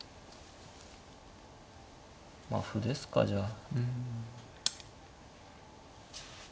まあ歩ですかじゃあ。